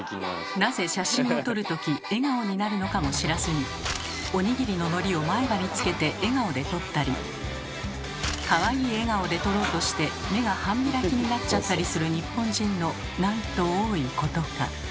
なぜ写真を撮るとき笑顔になるのかも知らずにお握りののりを前歯につけて笑顔で撮ったりかわいい笑顔で撮ろうとして目が半開きになっちゃったりする日本人のなんと多いことか。